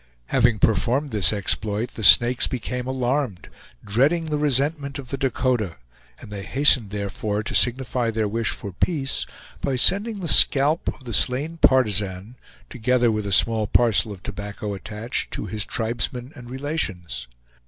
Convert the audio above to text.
Having performed this exploit the Snakes became alarmed, dreading the resentment of the Dakota, and they hastened therefore to signify their wish for peace by sending the scalp of the slain partisan, together with a small parcel of tobacco attached, to his tribesmen and relations.